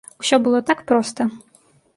Усё было так проста.